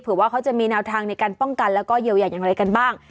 ว่าเขาจะมีแนวทางในการป้องกันแล้วก็เยียวยาอย่างไรกันบ้าง